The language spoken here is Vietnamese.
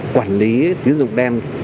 quản lý tín dụng đen